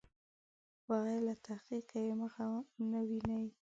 بغیر له تحقیق یې مخه نه ویني.